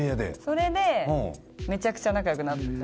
それでめちゃくちゃ仲良くなって。